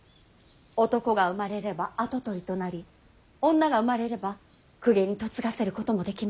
男が生まれれば跡取りとなり女が生まれれば公家に嫁がせることもできます。